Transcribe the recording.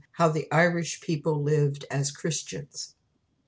HOW THE IRISH PEOPLE LIVED AS CHRISTIANS.